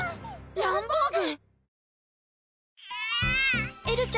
ランボーグ！